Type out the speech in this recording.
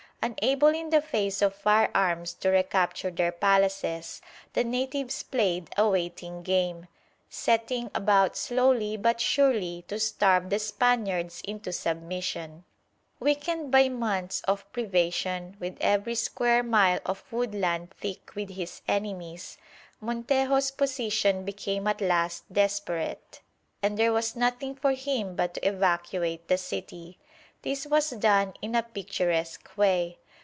Unable in the face of firearms to recapture their palaces, the natives played a waiting game, setting about slowly but surely to starve the Spaniards into submission. Weakened by months of privation, with every square mile of woodland thick with his enemies, Montejo's position became at last desperate, and there was nothing for him but to evacuate the city. This was done in a picturesque way.